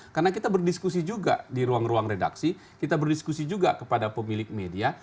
karena kita berdiskusi juga di ruang ruang redaksi kita berdiskusi juga kepada pemilik media